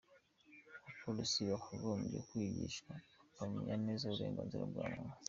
Abapolisi bakagombye kwigishwa, bakamenya neza uburenganzira bwa muntu.